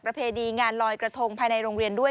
เพณีงานลอยกระทงภายในโรงเรียนด้วย